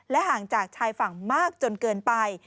ห่างจากชายฝั่งมากจนเกินไป